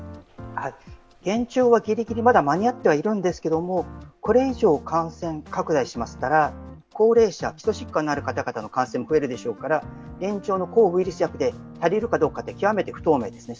現状はギリギリまだ間に合ってはいるんですけれども、これ以上、感染拡大しましたら、高齢者、基礎疾患のある方々の感染も増えるでしょうから、現状の抗ウイルス薬で足りるかどうか、極めて不透明ですね。